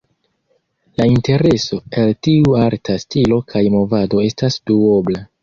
La intereso el tiu arta stilo kaj movado estas duobla.